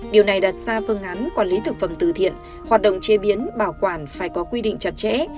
điều này đặt ra phương án quản lý thực phẩm từ thiện hoạt động chế biến bảo quản phải có quy định chặt chẽ